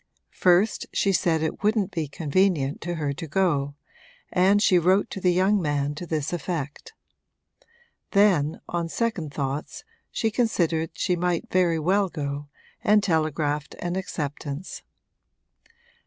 First she said it wouldn't be convenient to her to go, and she wrote to the young man to this effect. Then, on second thoughts, she considered she might very well go, and telegraphed an acceptance.